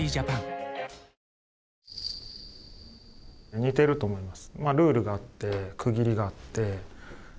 似てると思います。